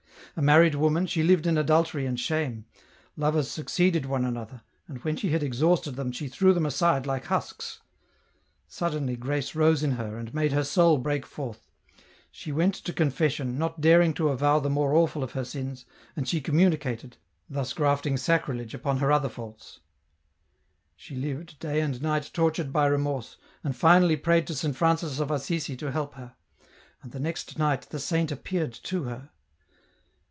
A married woman, she lived in adultery and shame ; lovers succeeded one another, and when she had exhausted them she threw them aside like husks. Suddenly grace rose in her and made her soul break forth ; she went to con fession, not daring to avow the more awful of her sins, and she communicated, thus grafting sacrilege upon her other faults. She lived, day and night tortured by remorse, and finally prayed to Saint Francis of Assisi to help her ; and the next night the saint appeared to her.